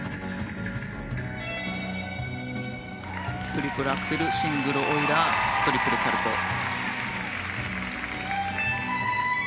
トリプルアクセルシングルオイラートリプルサルコウ。